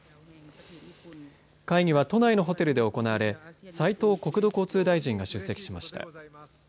会議は都内のホテルで行われ斉藤国土交通大臣が出席しました。